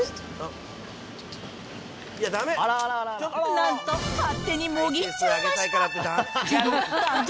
なんと勝手にもぎっちゃいました。